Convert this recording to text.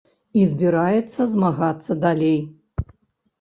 І збіраецца змагацца далей.